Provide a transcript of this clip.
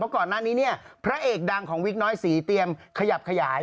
ก่อนหน้านี้เนี่ยพระเอกดังของวิกน้อยศรีเตรียมขยับขยาย